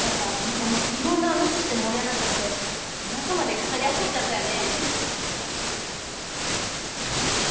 何かもういろんな話して盛り上がっちゃって夜中まで語り明かしちゃったよね。